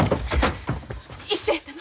一緒やったの？